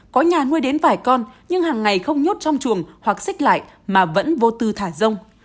có nhà nuôi đến vài con nhưng hàng ngày không nhốt trong chuồng hoặc xích lại mà vẫn vô tư thả rông